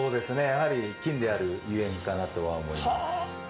やはり金であるゆえんかなと思います。